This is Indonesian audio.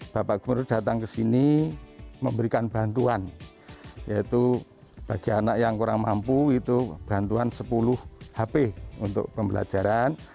bapak gubernur datang ke sini memberikan bantuan yaitu bagi anak yang kurang mampu itu bantuan sepuluh hp untuk pembelajaran